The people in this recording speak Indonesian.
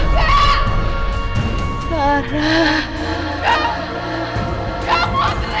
kak kak putri